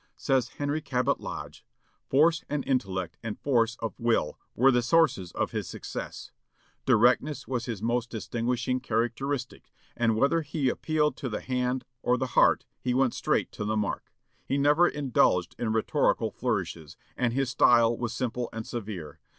Says Henry Cabot Lodge: "Force of intellect and force of will were the sources of his success.... Directness was his most distinguishing characteristic, and, whether he appealed to the head or the heart, he went straight to the mark.... He never indulged in rhetorical flourishes, and his style was simple and severe....